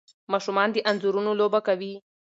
ماشومان د انځورونو لوبه کوي.